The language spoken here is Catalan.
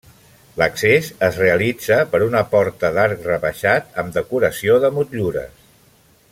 L'accés es realitza per una porta d'arc rebaixat amb decoració de motllures.